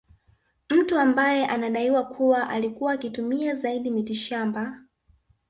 Mtu ambaye anadaiwa kuwa alikuwa akitumia zaidi mitishamba